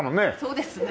そうですね。